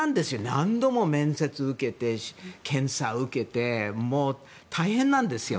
何度も面接や検査を受けてもう大変なんですよ。